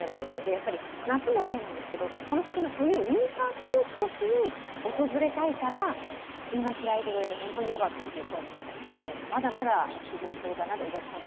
やっぱり夏もそうなんですけどこの先の冬、ウインタースポーツをしに訪れたいから今開いてくれて本当によかったという声もあったりしてまだまだ続きそうだなと、お客さん